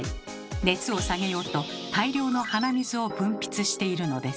熱を下げようと大量の鼻水を分泌しているのです。